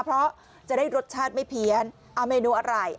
เพราะจะได้รสชาติไม่เพี้ยนเอาเมนูอะไร